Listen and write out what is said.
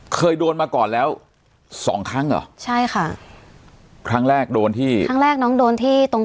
เคยโดนมาก่อนแล้วสองครั้งเหรอใช่ค่ะครั้งแรกโดนที่ตรง